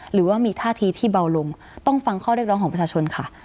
หรือว่ามีท่าทีที่เบาลงต้องฟังข้อเรียกร้องของประชาชนค่ะ